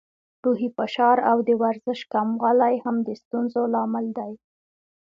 روحي فشار او د ورزش کموالی هم د ستونزو لامل دی.